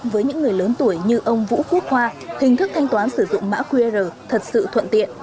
với những người lớn tuổi như ông vũ quốc hoa hình thức thanh toán sử dụng mã qr thật sự thuận tiện